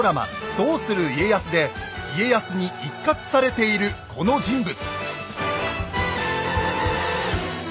「どうする家康」で家康に一喝されているこの人物。